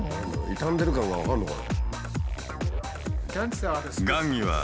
傷んでる感が分かるのかな？